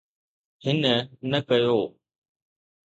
هن نه ڪيو